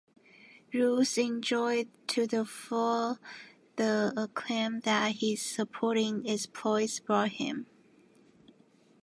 Roose enjoyed to the full the acclaim that his sporting exploits brought him.